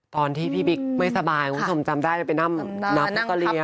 ตอนที่พี่บี๊กไม่สบายผมจำได้ไปนับกระเรียน